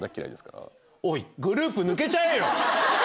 おいグループ抜けちゃえよ。